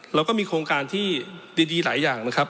เราก็มีโครงการที่ดีหลายอย่างนะครับ